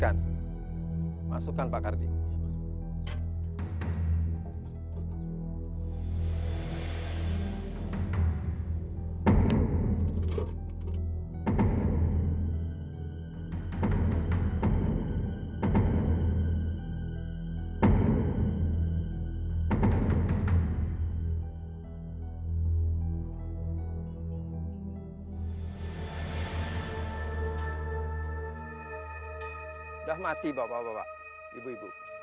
jadi siapakah dia yang saya baru sandali